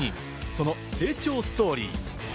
その成長ストーリー。